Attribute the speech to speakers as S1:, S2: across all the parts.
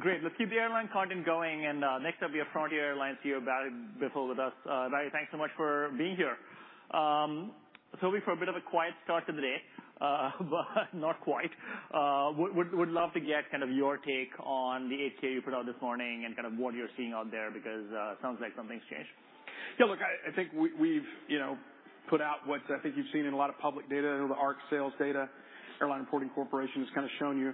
S1: Great. Let's keep the airline content going, and next up, we have Frontier Airlines CEO, Barry Biffle, with us. Barry, thanks so much for being here. Sorry for a bit of a quiet start to the day, but not quiet. We'd love to get kind of your take on the 8-K you put out this morning and kind of what you're seeing out there because it sounds like something's changed.
S2: Yeah, look, I think we've, you know, put out what I think you've seen in a lot of public data, the ARC sales data. Airlines Reporting Corporation has kind of shown you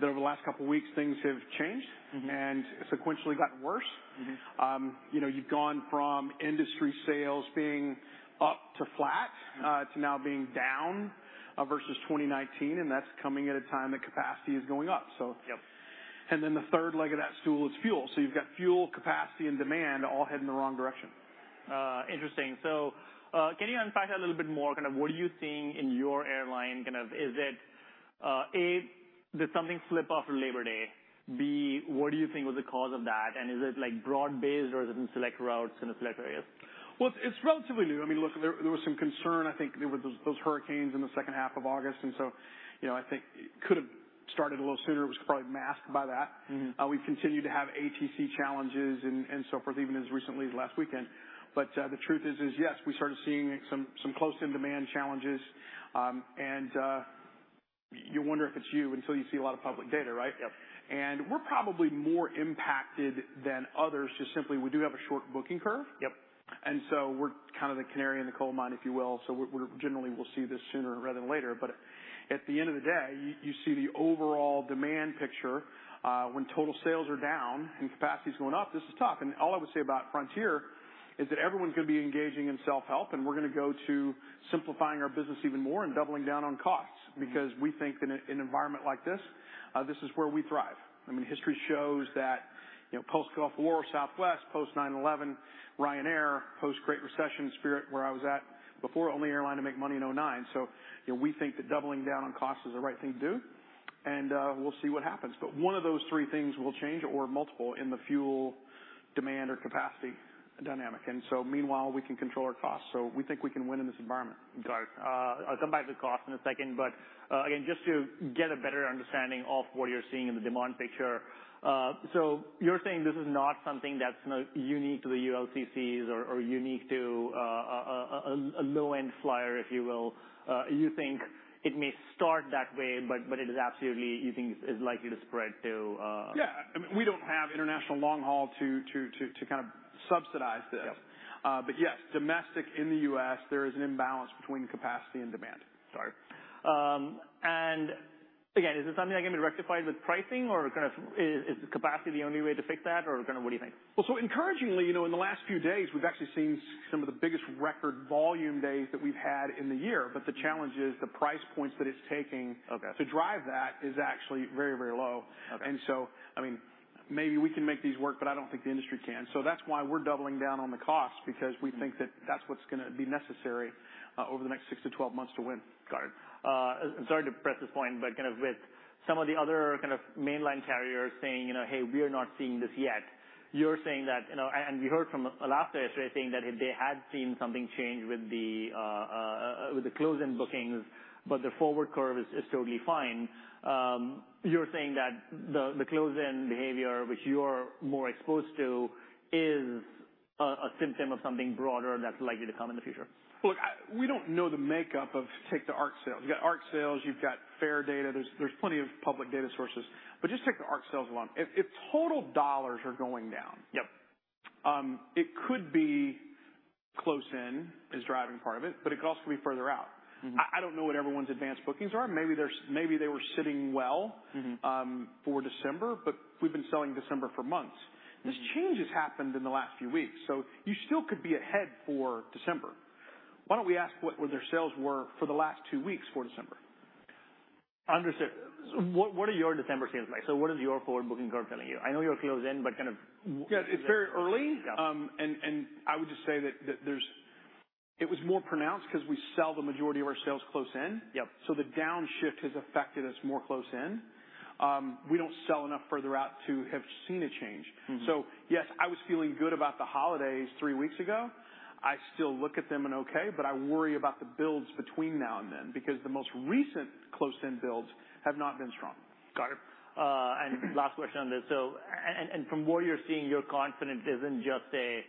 S2: that over the last couple weeks, things have changed-
S1: Mm-hmm.
S2: and sequentially gotten worse.
S1: Mm-hmm.
S2: You know, you've gone from industry sales being up to flat to now being down versus 2019, and that's coming at a time that capacity is going up, so-
S1: Yep.
S2: Then the third leg of that stool is fuel. You've got fuel, capacity and demand all heading in the wrong direction.
S1: Interesting. So, can you unpack that a little bit more? Kind of what are you seeing in your airline, kind of, is it, A, did something slip after Labor Day? B, what do you think was the cause of that, and is it, like, broad-based, or is it in select routes in select areas?
S2: Well, it's relatively new. I mean, look, there, there was some concern, I think, there were those, those hurricanes in the second half of August, and so, you know, I think it could have started a little sooner. It was probably masked by that.
S1: Mm-hmm.
S2: We continued to have ATC challenges and so forth, even as recently as last weekend. But, the truth is yes, we started seeing some close-in demand challenges, and you wonder if it's you until you see a lot of public data, right?
S1: Yep.
S2: We're probably more impacted than others, just simply we do have a short booking curve.
S1: Yep.
S2: So we're kind of the canary in the coal mine, if you will, so we're generally, we'll see this sooner rather than later. But at the end of the day, you see the overall demand picture when total sales are down and capacity is going up, this is tough. And all I would say about Frontier is that everyone's gonna be engaging in self-help, and we're gonna go to simplifying our business even more and doubling down on costs.
S1: Mm-hmm.
S2: Because we think that in an environment like this, this is where we thrive. I mean, history shows that, you know, post Gulf War, Southwest, post 9/11, Ryanair, post Great Recession, Spirit, where I was at before, only airline to make money in 2009. So, you know, we think that doubling down on cost is the right thing to do, and, we'll see what happens. But one of those three things will change or multiple in the fuel demand or capacity dynamic. And so meanwhile, we can control our costs, so we think we can win in this environment.
S1: Got it. I'll come back to cost in a second, but, again, just to get a better understanding of what you're seeing in the demand picture. So you're saying this is not something that's not unique to the ULCCs or unique to a low-end flyer, if you will? You think it may start that way, but it is absolutely, you think, is likely to spread to.
S2: Yeah. I mean, we don't have international long haul to kind of subsidize this.
S1: Yep.
S2: But, yes, domestic in the U.S., there is an imbalance between capacity and demand.
S1: Got it. And again, is this something that can be rectified with pricing or kind of, is capacity the only way to fix that or kind of what do you think?
S2: Well, so encouragingly, you know, in the last few days, we've actually seen some of the biggest record volume days that we've had in the year. But the challenge is the price points that it's taking-
S1: Okay.
S2: to drive that is actually very, very low.
S1: Okay.
S2: And so, I mean, maybe we can make these work, but I don't think the industry can. So that's why we're doubling down on the cost, because we think that that's what's gonna be necessary over the next six to 12 months to win.
S1: Got it. I'm sorry to press this point, but kind of with some of the other kind of mainline carriers saying, you know, "Hey, we're not seeing this yet," you're saying that, you know. And we heard from Alaska yesterday saying that they had seen something change with the close-in bookings, but the forward curve is totally fine. You're saying that the close-in behavior, which you're more exposed to, is a symptom of something broader that's likely to come in the future?
S2: Look, we don't know the makeup of... Take the ARC sales. You've got ARC sales, you've got fare data, there's plenty of public data sources. But just take the ARC sales alone. If total dollars are going down-
S1: Yep.
S2: It could be close-in is driving part of it, but it could also be further out.
S1: Mm-hmm.
S2: I don't know what everyone's advance bookings are. Maybe there's, maybe they were sitting well.
S1: Mm-hmm.
S2: for December, but we've been selling December for months. This change has happened in the last few weeks, so you still could be ahead for December. Why don't we ask what their sales were for the last two weeks for December?
S1: Understood. What, what are your December sales like? So what is your forward booking curve telling you? I know you're close-in, but kind of-
S2: Yeah, it's very early.
S1: Yeah.
S2: I would just say it was more pronounced because we sell the majority of our sales close-in.
S1: Yep.
S2: The downshift has affected us more close-in. We don't sell enough further out to have seen a change.
S1: Mm-hmm.
S2: Yes, I was feeling good about the holidays three weeks ago. I still look at them and okay, but I worry about the builds between now and then, because the most recent close-in builds have not been strong.
S1: Got it. And last question on this. So, from what you're seeing, you're confident it isn't just a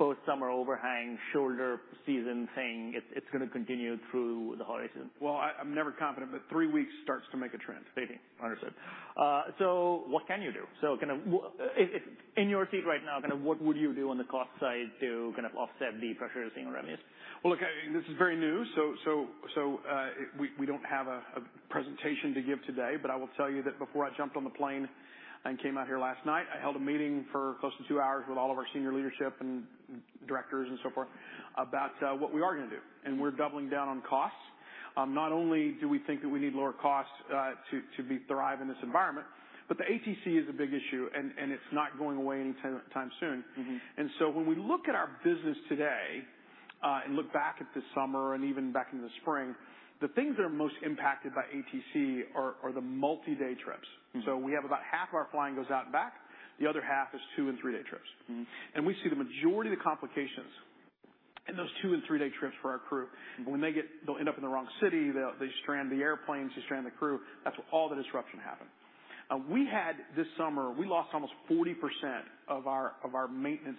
S1: post-summer overhang, shoulder season thing, it's gonna continue through the horizon?
S2: Well, I'm never confident, but three weeks starts to make a trend.
S1: Understood. So what can you do? So kind of if, if in your seat right now, kind of what would you do on the cost side to kind of offset the pressures you're seeing around you?
S2: Well, look, this is very new, so we don't have a presentation to give today. But I will tell you that before I jumped on the plane and came out here last night, I held a meeting for close to two hours with all of our senior leadership and directors and so forth, about what we are gonna do, and we're doubling down on costs. Not only do we think that we need lower costs to thrive in this environment, but the ATC is a big issue, and it's not going away anytime soon.
S1: Mm-hmm.
S2: And so when we look at our business today, and look back at this summer and even back in the spring, the things that are most impacted by ATC are the multi-day trips.
S1: Mm-hmm.
S2: So we have about half of our flying goes out and back, the other half is two and three-day trips.
S1: Mm-hmm.
S2: We see the majority of the complications and those two- and three-day trips for our crew, when they get they'll end up in the wrong city, they, they strand the airplanes, they strand the crew. That's where all the disruption happened. We had, this summer, we lost almost 40% of our, of our maintenance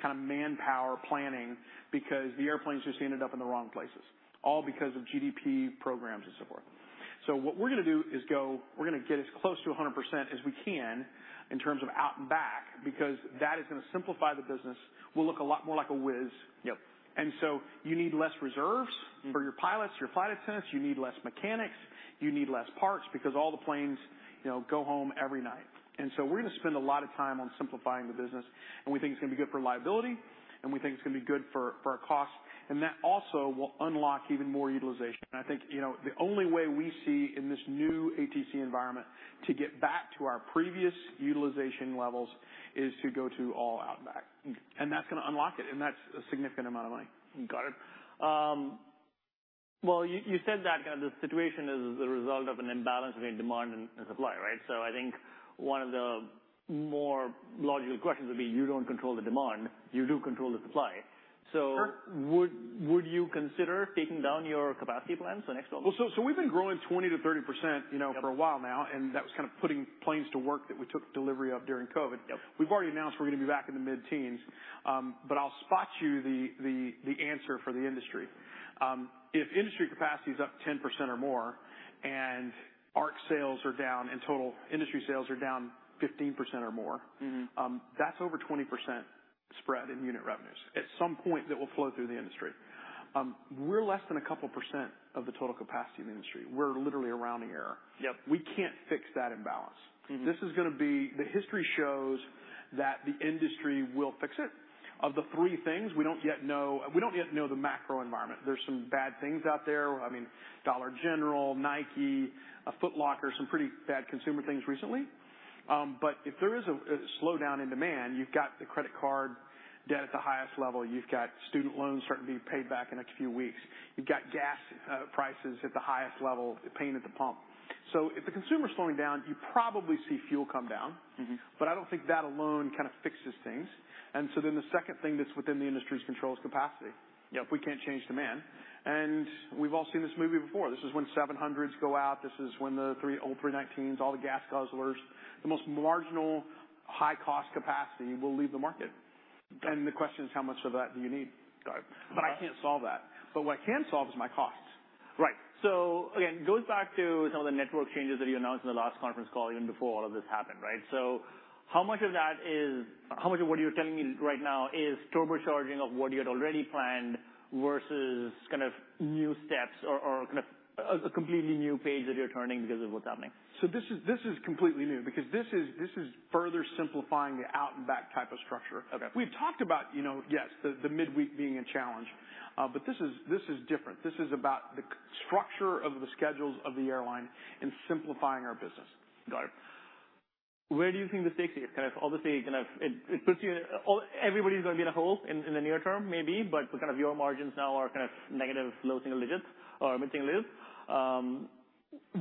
S2: kind of manpower planning because the airplanes just ended up in the wrong places, all because of GDP programs and so forth. So what we're gonna do is go we're gonna get as close to 100% as we can in terms of out and back, because that is gonna simplify the business. We'll look a lot more like a Wizz.
S1: Yep.
S2: And so you need less reserves for your pilots, your flight attendants. You need less mechanics. You need less parts, because all the planes, you know, go home every night. And so we're gonna spend a lot of time on simplifying the business, and we think it's gonna be good for liability, and we think it's gonna be good for, for our costs, and that also will unlock even more utilization. And I think, you know, the only way we see in this new ATC environment to get back to our previous utilization levels is to go to all out and back.
S1: Mm.
S2: That's gonna unlock it, and that's a significant amount of money.
S1: Got it. Well, you said that, kind of, the situation is the result of an imbalance between demand and supply, right? So I think one of the more logical questions would be, you don't control the demand, you do control the supply. So-
S2: Sure.
S1: Would you consider taking down your capacity plans the next quarter?
S2: Well, so we've been growing 20%-30%, you know-
S1: Yep.
S2: for a while now, and that was kind of putting planes to work that we took delivery of during COVID.
S1: Yep.
S2: We've already announced we're gonna be back in the mid-teens. But I'll spot you the answer for the industry. If industry capacity is up 10% or more, and ARC sales are down and total industry sales are down 15% or more-
S1: Mm-hmm.
S2: That's over 20% spread in unit revenues. At some point, that will flow through the industry. We're less than a couple % of the total capacity of the industry. We're literally a rounding error.
S1: Yep.
S2: We can't fix that imbalance.
S1: Mm-hmm.
S2: This is gonna be... The history shows that the industry will fix it. Of the three things, we don't yet know—we don't yet know the macro environment. There's some bad things out there. I mean, Dollar General, Nike, Foot Locker, some pretty bad consumer things recently. But if there is a slowdown in demand, you've got the credit card debt at the highest level, you've got student loans starting to be paid back in the next few weeks. You've got gas prices at the highest level, the pain at the pump. So if the consumer is slowing down, you probably see fuel come down.
S1: Mm-hmm.
S2: I don't think that alone kind of fixes things. So then the second thing that's within the industry's control is capacity.
S1: Yep.
S2: We can't change demand. We've all seen this movie before. This is when 737s go out, this is when the old 319s, all the gas guzzlers, the most marginal high-cost capacity will leave the market.
S1: Got it.
S2: The question is, how much of that do you need?
S1: Got it.
S2: But I can't solve that. But what I can solve is my costs.
S1: Right. So again, it goes back to some of the network changes that you announced in the last conference call, even before all of this happened, right? So how much of that is, how much of what you're telling me right now is turbocharging of what you had already planned versus kind of new steps or, or kind of a, a completely new page that you're turning because of what's happening?
S2: So this is completely new because this is further simplifying the out and back type of structure.
S1: Okay.
S2: We've talked about, you know, yes, the midweek being a challenge, but this is, this is different. This is about the structure of the schedules of the airline and simplifying our business.
S1: Got it. Where do you think this takes you? Kind of, obviously, kind of it, it puts you in a... All everybody's gonna be in a hole in the near term, maybe, but kind of your margins now are kind of negative, low single digits or mid single digits.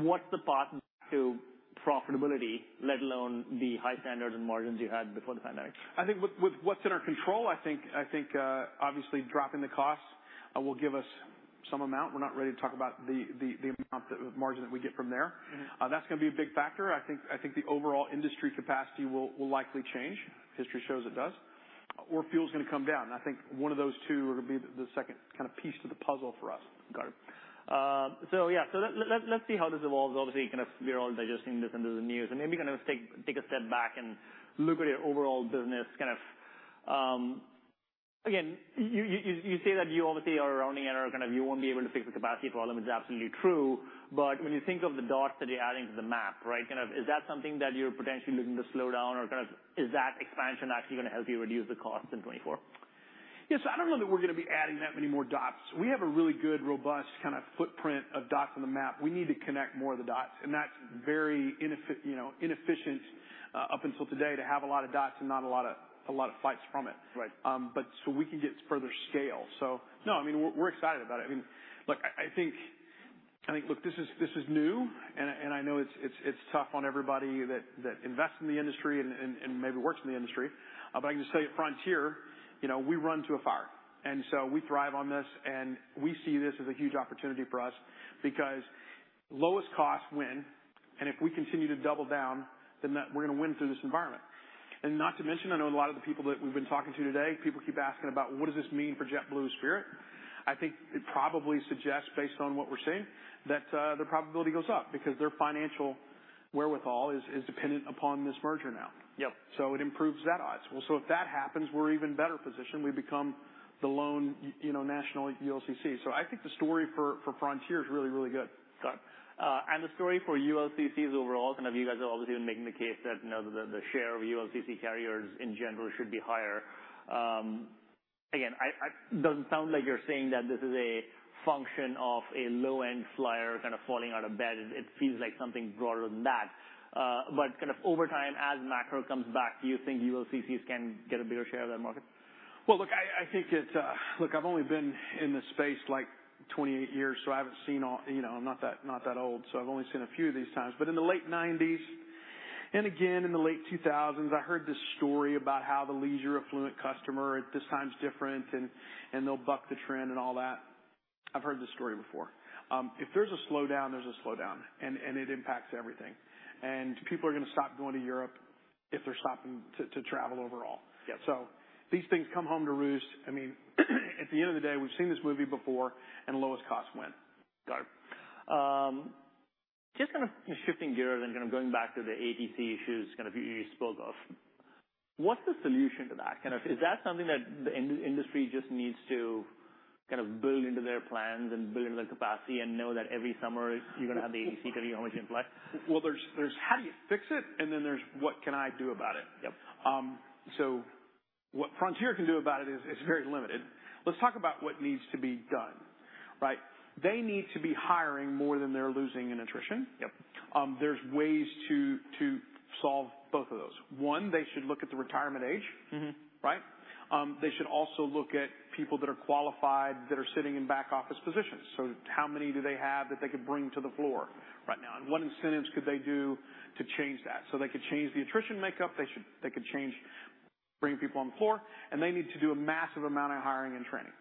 S1: What's the path to profitability, let alone the high standards and margins you had before the pandemic?
S2: I think with what's in our control, I think, obviously dropping the costs will give us some amount. We're not ready to talk about the amount, the margin that we get from there.
S1: Mm-hmm.
S2: That's gonna be a big factor. I think, I think the overall industry capacity will, will likely change. History shows it does, or fuel is gonna come down. I think one of those two are gonna be the, the second kind of piece to the puzzle for us.
S1: Got it. So yeah, so let's see how this evolves. Obviously, kind of, we are all digesting this into the news, and maybe you kind of take, take a step back and look at your overall business, kind of. Again, you say that you obviously are rounding error, kind of, you won't be able to fix the capacity problem. It's absolutely true. But when you think of the dots that you're adding to the map, right, kind of, is that something that you're potentially looking to slow down? Or kind of, is that expansion actually gonna help you reduce the costs in 2024?
S2: Yes. I don't know that we're gonna be adding that many more dots. We have a really good, robust kind of footprint of dots on the map. We need to connect more of the dots, and that's very inefficient, you know, up until today, to have a lot of dots and not a lot of flights from it.
S1: Right.
S2: But so we can get further scale. So no, I mean, we're excited about it. I mean, look, I think... Look, this is new, and I know it's tough on everybody that invests in the industry and maybe works in the industry. But I can just tell you at Frontier, you know, we run to a fire, and so we thrive on this, and we see this as a huge opportunity for us because lowest costs win, and if we continue to double down, then that—we're gonna win through this environment. And not to mention, I know a lot of the people that we've been talking to today, people keep asking about: What does this mean for JetBlue and Spirit? I think it probably suggests, based on what we're seeing, that the probability goes up because their financial wherewithal is dependent upon this merger now.
S1: Yep.
S2: So it improves that odds. Well, so if that happens, we're even better positioned. We become the lone, you know, national ULCC. So I think the story for, for Frontier is really, really good.
S1: Got it. And the story for ULCCs overall, kind of, you guys are obviously making the case that, you know, the share of ULCC carriers in general should be higher. Again, it doesn't sound like you're saying that this is a function of a low-end flyer kind of falling out of bed. It feels like something broader than that. But kind of over time, as macro comes back, do you think ULCCs can get a bigger share of that market? Well, look, I think it's. Look, I've only been in this space, like, 28 years, so I haven't seen all. You know, I'm not that, not that old, so I've only seen a few of these times. But in the late 1990s. And again, in the late 2000s, I heard this story about how the leisure affluent customer, this time's different, and they'll buck the trend and all that. I've heard this story before. If there's a slowdown, there's a slowdown, and it impacts everything. And people are going to stop going to Europe if they're stopping to travel overall.
S3: Yeah.
S2: These things come home to roost. I mean, at the end of the day, we've seen this movie before, and lowest cost win.
S1: Got it. Just kind of shifting gears and kind of going back to the ATC issues, kind of, you spoke of. What's the solution to that? Kind of, is that something that the industry just needs to kind of build into their plans and build into their capacity and know that every summer you're going to have the ATC always in play?
S2: Well, there's how do you fix it? And then there's what can I do about it?
S1: Yep.
S2: So what Frontier can do about it is, it's very limited. Let's talk about what needs to be done, right? They need to be hiring more than they're losing in attrition.
S1: Yep.
S2: There's ways to solve both of those. One, they should look at the retirement age.
S1: Mm-hmm.
S2: Right? They should also look at people that are qualified, that are sitting in back office positions. So how many do they have that they could bring to the floor right now? And what incentives could they do to change that? So they could change the attrition makeup. They should. They could change bringing people on the floor, and they need to do a massive amount of hiring and training,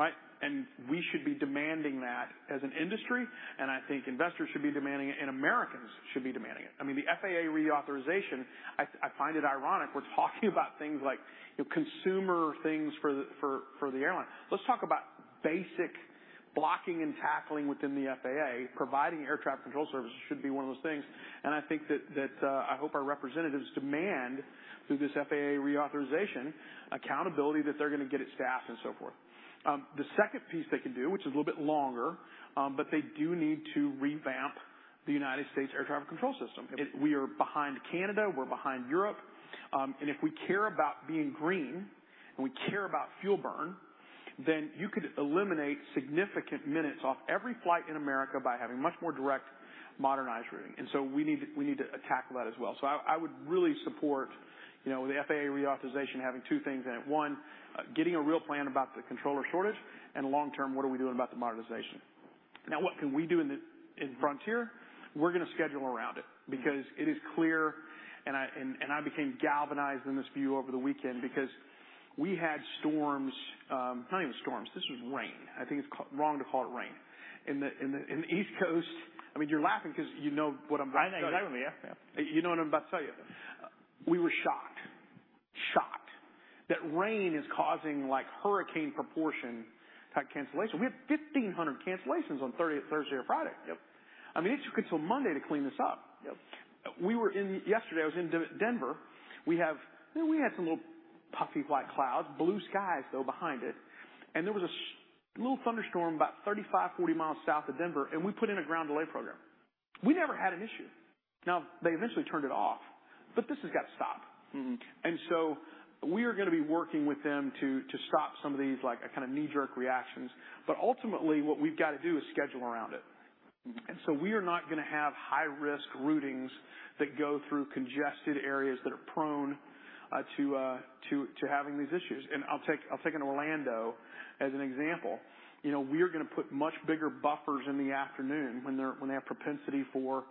S2: right? And we should be demanding that as an industry, and I think investors should be demanding it, and Americans should be demanding it. I mean, the FAA reauthorization, I find it ironic, we're talking about things like consumer things for the airline. Let's talk about basic blocking and tackling within the FAA. Providing air traffic control services should be one of those things. And I think that... I hope our representatives demand, through this FAA reauthorization, accountability that they're going to get it staffed and so forth. The second piece they can do, which is a little bit longer, but they do need to revamp the United States air traffic control system.
S1: Yep.
S2: We are behind Canada, we're behind Europe. And if we care about being green and we care about fuel burn, then you could eliminate significant minutes off every flight in America by having much more direct modernized routing. And so we need to, we need to tackle that as well. So I would really support, you know, the FAA reauthorization having two things in it. One, getting a real plan about the controller shortage, and long term, what are we doing about the modernization? Now, what can we do in Frontier? We're going to schedule around it because it is clear, and I became galvanized in this view over the weekend because we had storms, not even storms, this was rain. I think it's wrong to call it rain. In the East Coast—I mean, you're laughing because you know what I'm about to tell you.
S1: I know, exactly. Yeah, yeah.
S2: You know what I'm about to tell you. We were shocked, shocked that rain is causing, like, hurricane proportion type cancellations. We had 1,500 cancellations on Thursday or Friday.
S1: Yep.
S2: I mean, it took us till Monday to clean this up.
S1: Yep.
S2: Yesterday, I was in Denver. We had some little puffy, white clouds, blue skies, though, behind it, and there was a little thunderstorm about 35-40 miles south of Denver, and we put in a ground delay program. We never had an issue. Now, they eventually turned it off, but this has got to stop.
S1: Mm-hmm.
S2: So we are going to be working with them to stop some of these, like, a kind of knee-jerk reactions. But ultimately, what we've got to do is schedule around it. So we are not going to have high risk routings that go through congested areas that are prone to having these issues. I'll take Orlando as an example. You know, we are going to put much bigger buffers in the afternoon when they have propensity for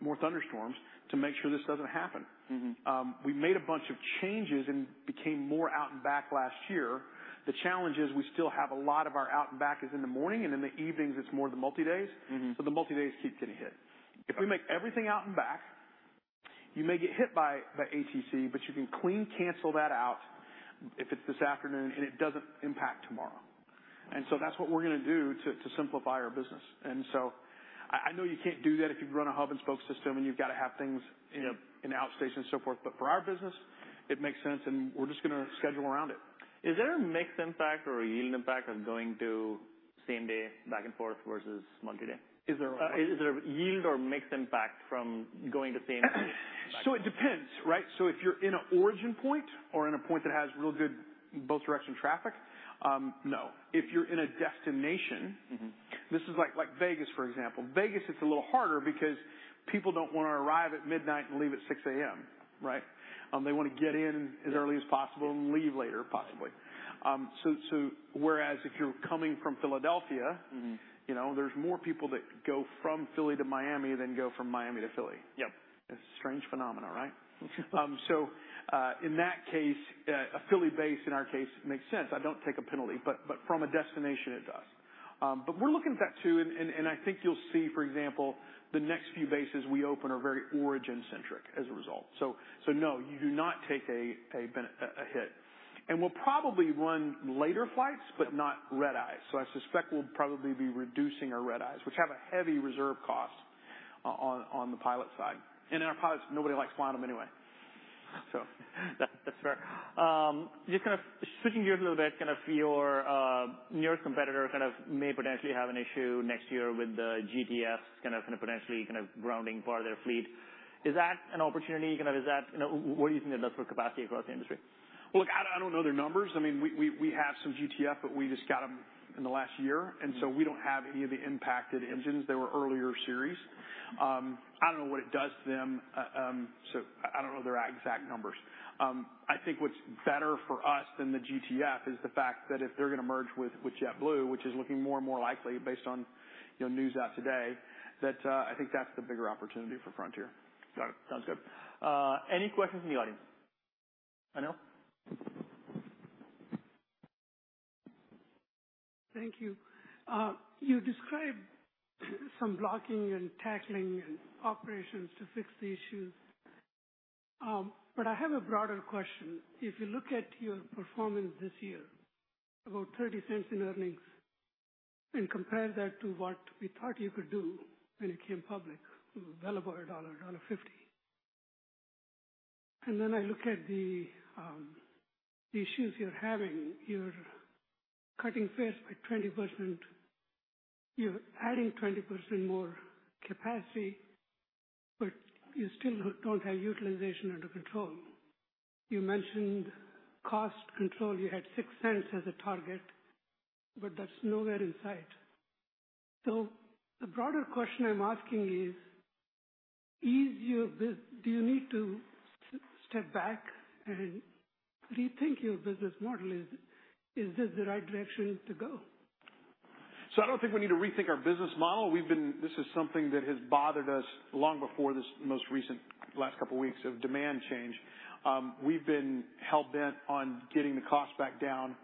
S2: more thunderstorms, to make sure this doesn't happen.
S1: Mm-hmm.
S2: We made a bunch of changes and became more out and back last year. The challenge is we still have a lot of our out and backs is in the morning, and in the evenings it's more the multi-days.
S1: Mm-hmm.
S2: The multi-days keep getting hit.
S1: Yep.
S2: If we make everything out and back, you may get hit by ATC, but you can clean cancel that out if it's this afternoon, and it doesn't impact tomorrow. And so that's what we're going to do to simplify our business. And so I know you can't do that if you run a hub and spoke system, and you've got to have things in outstations and so forth, but for our business, it makes sense, and we're just going to schedule around it.
S1: Is there a mixed impact or a yield impact of going to same day, back and forth, versus multi-day?
S2: Is there a what?
S1: Is there a yield or mixed impact from going to same day?
S2: So it depends, right? So if you're in an origin point or in a point that has real good both direction traffic, no. If you're in a destination-
S1: Mm-hmm.
S2: This is like Vegas, for example. Vegas, it's a little harder because people don't want to arrive at 12:00 A.M. and leave at 6:00 A.M., right? They want to get in as early as possible and leave later, possibly. So whereas if you're coming from Philadelphia-
S1: Mm-hmm.
S2: You know, there's more people that go from Philly to Miami than go from Miami to Philly.
S1: Yep.
S2: It's a strange phenomenon, right? So, in that case, a Philly base, in our case, makes sense. I don't take a penalty, but from a destination, it does. But we're looking at that, too, and I think you'll see, for example, the next few bases we open are very origin-centric as a result. So, no, you do not take a hit. And we'll probably run later flights, but not red-eyes. So I suspect we'll probably be reducing our red-eyes, which have a heavy reserve cost on the pilot side. And our pilots, nobody likes flying them anyway. So...
S1: That's, that's fair. Just kind of switching gears a little bit, kind of your, your competitor kind of may potentially have an issue next year with the GTFs kind of potentially grounding part of their fleet. Is that an opportunity? Kind of, is that... You know, what do you think that does for capacity across the industry?
S2: Well, look, I don't know their numbers. I mean, we have some GTF, but we just got them in the last year, and so we don't have any of the impacted engines. They were earlier series. I don't know what it does to them, so I don't know their exact numbers. I think what's better for us than the GTF is the fact that if they're going to merge with JetBlue, which is looking more and more likely based on, you know, news out today, that I think that's the bigger opportunity for Frontier.
S1: Got it. Sounds good. Any questions in the audience? Anil?
S4: Thank you. You described some blocking and tackling and operations to fix the issues. But I have a broader question. If you look at your performance this year, about $0.30 in earnings, and compare that to what we thought you could do when you came public, well over $1, $1.50. And then I look at the issues you're having. You're cutting fares by 20%. You're adding 20% more capacity, but you still don't have utilization under control. You mentioned cost control. You had $0.06 as a target, but that's nowhere in sight. So the broader question I'm asking is, is your bus- Do you need to step back and rethink your business model? Is this the right direction to go?
S2: So I don't think we need to rethink our business model. We've been. This is something that has bothered us long before this most recent last couple weeks of demand change. We've been hell-bent on getting the cost back down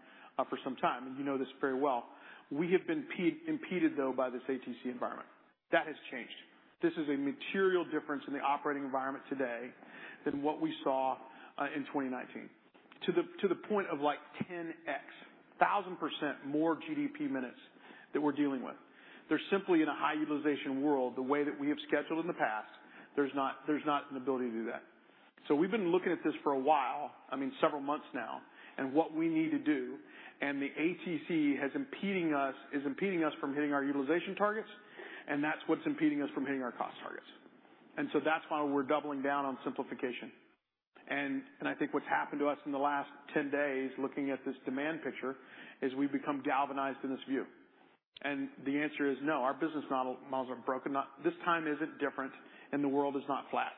S2: for some time, and you know this very well. We have been impeded, though, by this ATC environment. That has changed. This is a material difference in the operating environment today than what we saw in 2019. To the point of, like, 10,000% more GDP minutes that we're dealing with. They're simply in a high-utilization world. The way that we have scheduled in the past, there's not an ability to do that. So we've been looking at this for a while, I mean, several months now, and what we need to do, and the ATC is impeding us from hitting our utilization targets, and that's what's impeding us from hitting our cost targets. And so that's why we're doubling down on simplification. And I think what's happened to us in the last 10 days, looking at this demand picture, is we've become galvanized in this view. And the answer is no, our business models aren't broken. No, this time isn't different, and the world is not flat.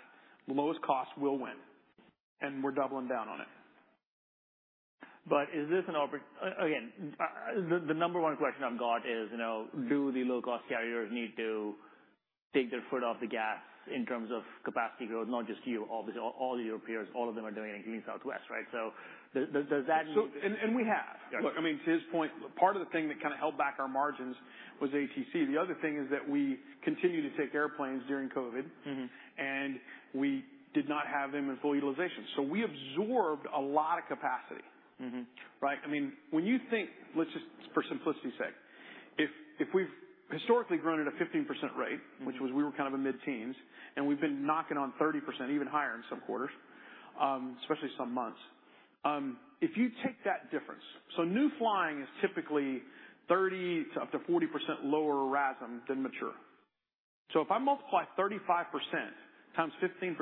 S2: The lowest cost will win, and we're doubling down on it.
S1: The number one question I've got is, you know, do the low-cost carriers need to take their foot off the gas in terms of capacity growth? Not just you, obviously, all your peers, all of them are doing it, including Southwest, right? So does that mean-
S2: So... and we have.
S1: Yes.
S2: Look, I mean, to his point, part of the thing that kind of held back our margins was ATC. The other thing is that we continued to take airplanes during COVID.
S1: Mm-hmm.
S2: We did not have them in full utilization. We absorbed a lot of capacity.
S1: Mm-hmm.
S2: Right? I mean, when you think... Let's just, for simplicity's sake, if we've historically grown at a 15% rate, which was we were kind of a mid-teens, and we've been knocking on 30%, even higher in some quarters, especially some months. If you take that difference, so new flying is typically 30%-40% lower RASM than mature. So if I multiply 35% times 15%,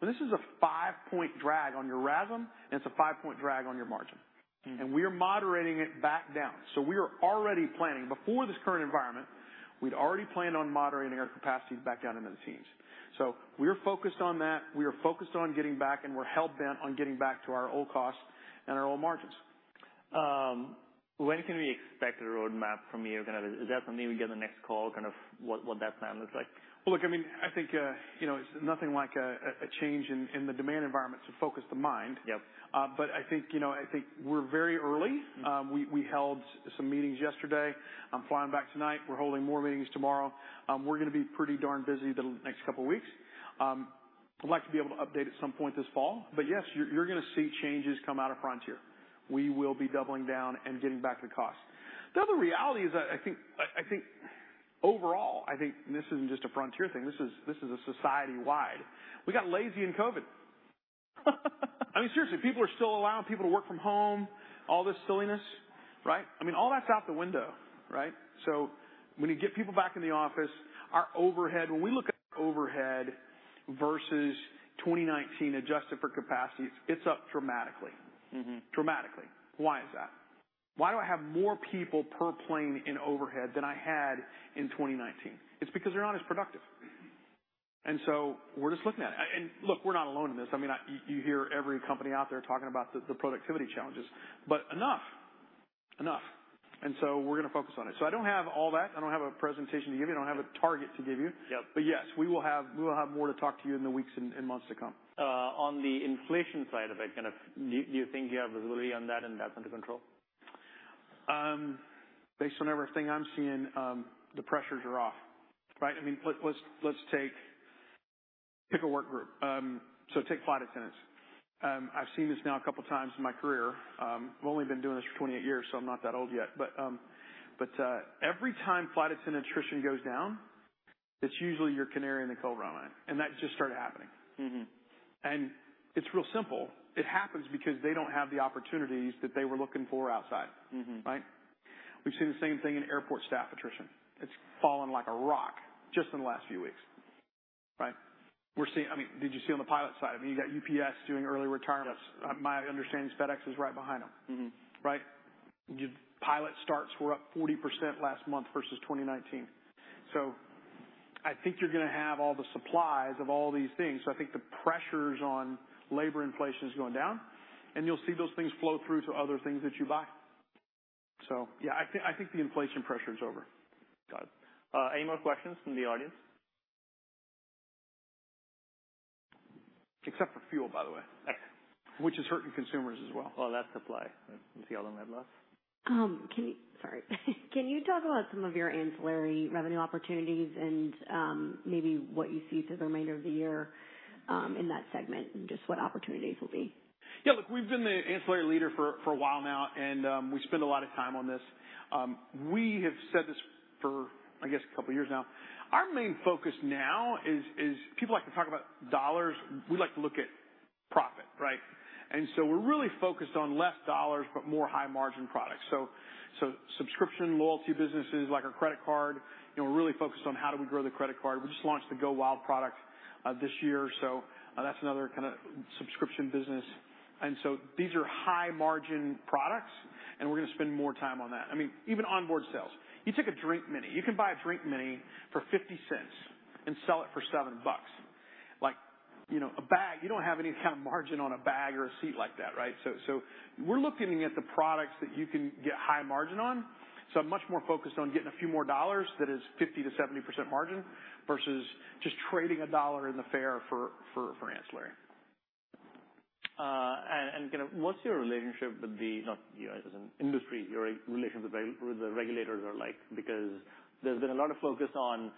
S2: well, this is a 5-point drag on your RASM, and it's a 5-point drag on your margin.
S1: Mm-hmm.
S2: We are moderating it back down. We are already planning. Before this current environment, we'd already planned on moderating our capacity back down into the teens. We are focused on that. We are focused on getting back, and we're hell-bent on getting back to our old costs and our old margins.
S1: When can we expect a roadmap from you? Kind of, is that something we get in the next call, kind of what that plan looks like?
S2: Well, look, I mean, I think, you know, it's nothing like a change in the demand environment to focus the mind.
S1: Yep.
S2: I think, you know, I think we're very early.
S1: Mm-hmm.
S2: We held some meetings yesterday. I'm flying back tonight. We're holding more meetings tomorrow. We're gonna be pretty darn busy the next couple weeks. I'd like to be able to update at some point this fall, but yes, you're gonna see changes come out of Frontier. We will be doubling down and getting back to cost. The other reality is I think overall, I think this isn't just a Frontier thing, this is a society-wide. We got lazy in COVID. I mean, seriously, people are still allowing people to work from home, all this silliness, right? I mean, all that's out the window, right? So when you get people back in the office, our overhead, when we look at overhead versus 2019, adjusted for capacity, it's up dramatically.
S1: Mm-hmm.
S2: Dramatically. Why is that? Why do I have more people per plane in overhead than I had in 2019? It's because they're not as productive. And so we're just looking at it. And look, we're not alone in this. I mean, you hear every company out there talking about the productivity challenges, but enough. Enough. And so we're gonna focus on it. So I don't have all that. I don't have a presentation to give you. I don't have a target to give you.
S1: Yep.
S2: But, yes, we will have, we will have more to talk to you in the weeks and months to come.
S1: On the inflation side of it, kind of, do you think you have visibility on that and that's under control?
S2: Based on everything I'm seeing, the pressures are off, right? I mean, let's take... Pick a work group. So take flight attendants. I've seen this now a couple times in my career. I've only been doing this for 28 years, so I'm not that old yet. But, every time flight attendant attrition goes down, it's usually your canary in the coal mine, and that just started happening.
S1: Mm-hmm.
S2: It's real simple. It happens because they don't have the opportunities that they were looking for outside.
S1: Mm-hmm.
S2: Right? We've seen the same thing in airport staff attrition. It's fallen like a rock just in the last few weeks. Right? We're seeing, I mean, did you see on the pilot side? I mean, you got UPS doing early retirements.
S1: Yes.
S2: My understanding is FedEx is right behind them.
S1: Mm-hmm.
S2: Right? Your pilot starts were up 40% last month versus 2019. So I think you're gonna have all the supplies of all these things. So I think the pressures on labor inflation is going down, and you'll see those things flow through to other things that you buy. So, yeah, I think, I think the inflation pressure is over.
S1: Got it. Any more questions from the audience?...
S2: Except for fuel, by the way, which is hurting consumers as well.
S1: Well, that's supply. You see all the headwinds?
S4: Can you talk about some of your ancillary revenue opportunities and, maybe what you see through the remainder of the year, in that segment, and just what opportunities will be?
S2: Yeah, look, we've been the ancillary leader for a while now, and we spend a lot of time on this. We have said this for, I guess, a couple years now. Our main focus now is people like to talk about dollars. We like to look at profit, right? And so we're really focused on less dollars, but more high-margin products. So subscription loyalty businesses, like our credit card, you know, we're really focused on how do we grow the credit card. We just launched the Go Wild product this year, so that's another kind of subscription business. And so these are high-margin products, and we're going to spend more time on that. I mean, even onboard sales. You take a drink mini. You can buy a drink mini for $0.50 and sell it for $7. Like, you know, a bag, you don't have any kind of margin on a bag or a seat like that, right? So, so we're looking at the products that you can get high margin on. So I'm much more focused on getting a few more dollars that is 50%-70% margin, versus just trading a dollar in the fare for, for, for ancillary.
S1: Kind of, what's your relationship with the, not you as an industry, your relationship with the, the regulators are like? Because there's been a lot of focus on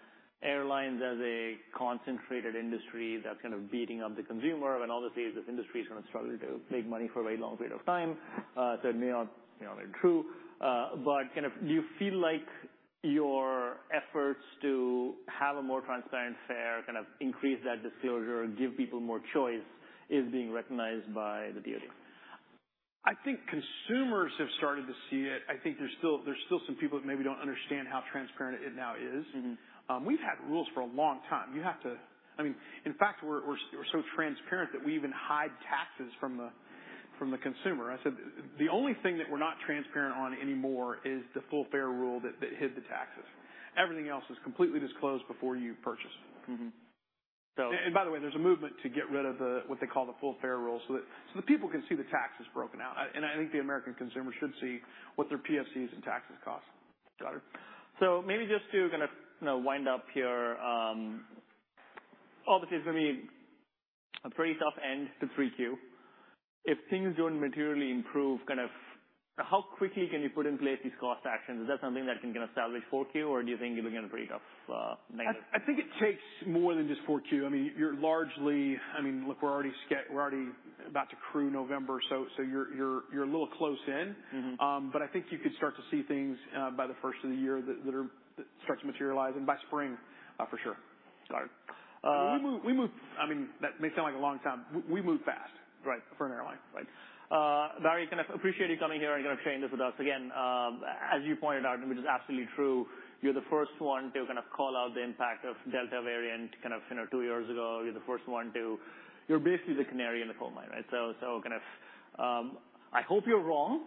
S1: airlines as a concentrated industry that's kind of beating up the consumer. And obviously, this industry has been struggling to make money for a very long period of time. That may not, you know, be true, but kind of do you feel like your efforts to have a more transparent fare, kind of increase that disclosure and give people more choice, is being recognized by the DOT?
S2: I think consumers have started to see it. I think there's still, there's still some people that maybe don't understand how transparent it now is.
S1: Mm-hmm.
S2: We've had rules for a long time. You have to... I mean, in fact, we're so transparent that we even hide taxes from the consumer. I said, the only thing that we're not transparent on anymore is the full fare rule that hid the taxes. Everything else is completely disclosed before you purchase.
S1: Mm-hmm.
S2: And by the way, there's a movement to get rid of the, what they call the full fare rule, so that, so the people can see the taxes broken out. And I, I think the American consumer should see what their PFCs and taxes cost. Got it.
S1: So maybe just to kind of, you know, wind up here, obviously, it's going to be a pretty tough end to 3Q. If things don't materially improve, kind of how quickly can you put in place these cost actions? Is that something that can kind of salvage 4Q, or do you think you're going to breakeven negative?
S2: I think it takes more than just 4Q. I mean, you're largely... I mean, look, we're already about to crew November, so you're a little close in.
S1: Mm-hmm.
S2: But I think you could start to see things by the first of the year that start to materialize, and by spring, for sure.
S1: Got it.
S2: We move, I mean, that may sound like a long time. We move fast-
S1: Right.
S2: for an airline, right?
S1: Barry, I kind of appreciate you coming here and kind of sharing this with us again. As you pointed out, which is absolutely true, you're the first one to kind of call out the impact of Delta variant, kind of, you know, two years ago. You're the first one to... You're basically the canary in the coal mine, right? So, so, kind of, I hope you're wrong.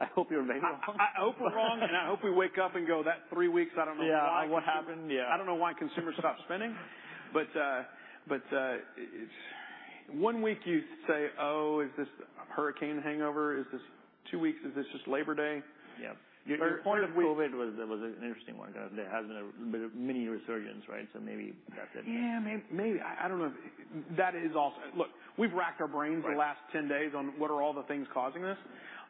S1: I hope you're very wrong.
S2: I, I hope we're wrong, and I hope we wake up and go, "That three weeks, I don't know why-
S1: Yeah, what happened? Yeah.
S2: I don't know why consumers stopped spending. But it's one week you say, "Oh, is this a hurricane hangover? Is this two weeks? Is this just Labor Day?
S1: Yeah.
S2: Your point of-
S1: COVID was an interesting one. There has been a mini resurgence, right? So maybe that's it.
S2: Yeah, maybe, I don't know. That is also... Look, we've racked our brains-
S1: Right
S2: For the last 10 days on what are all the things causing this.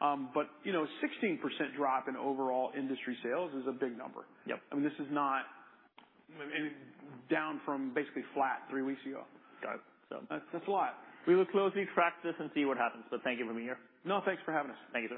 S2: But, you know, 16% drop in overall industry sales is a big number.
S1: Yep.
S2: I mean, this is not down from basically flat three weeks ago.
S1: Got it.
S2: That's, that's a lot.
S1: We will closely track this and see what happens, so thank you for being here.
S2: No, thanks for having us.
S1: Thank you.